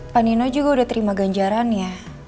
pak nino juga udah terima ganjaran ya